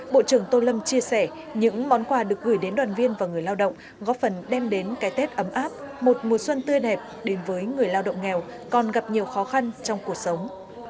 bộ trưởng tô lâm chia sẻ những món quà được gửi đến đoàn viên và người lao động góp phần đem đến cái tết ấm áp một mùa xuân tươi đẹp đến với người lao động nghèo còn gặp nhiều khó khăn trong cuộc sống